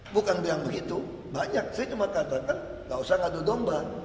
bukan bilang begitu banyak saya cuma katakan gak usah ngadu domba